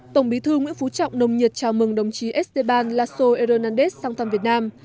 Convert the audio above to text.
tổng bí thư nguyễn phú trọng nồng nhiệt chào mừng đồng chí esteban lasso hernandez sang thăm việt nam